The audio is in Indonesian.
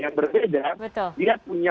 yang berbeda dia punya